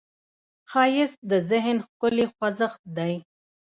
ښایست د ذهن ښکلې خوځښت دی